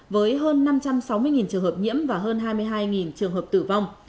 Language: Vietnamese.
với hơn năm trăm sáu mươi trường hợp nhiễm và hơn hai mươi hai trường hợp tử vong